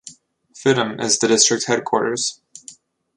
Phidim is the district headquarters.